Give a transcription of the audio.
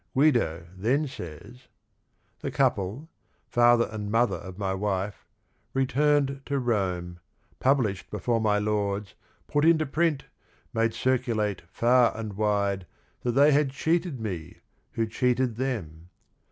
Guido then says : "The couple, father and mother of my wife, Returned to Rome, published before my lords, Put into print, made circulate far and wide That they had cheated me, who cheated them.